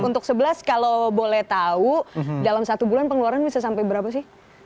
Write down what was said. untuk sebelas kalau boleh tahu dalam satu bulan pengeluaran bisa sampai berapa sih